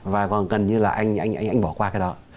và còn gần như là anh bỏ qua cái đó